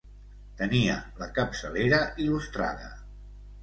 Tenia la capçalera il·lustrada.